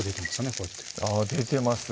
こうやってあぁ出てます